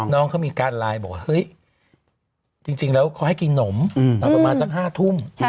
น้องเขามีการไลน์บอกว่าเฮ้ยจริงแล้วเขาให้กินนมตอนประมาณสัก๕ทุ่ม